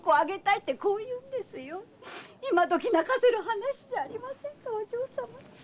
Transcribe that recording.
今どき泣かせる話じゃありませんかお嬢様。